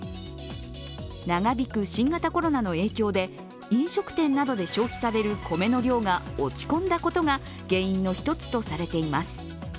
長引く新型コロナの影響で飲食店などで消費される米の量が落ち込んだことが原因の一つとされています。